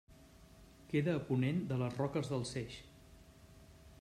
Queda a ponent de les Roques del Seix.